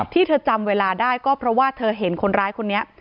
ที่เธอจำเวลาได้ก็เพราะว่าเธอเห็นคนร้ายคนนี้